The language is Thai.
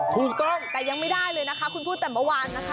ถูกต้องแต่ยังไม่ได้เลยนะคะคุณพูดแต่เมื่อวานนะคะ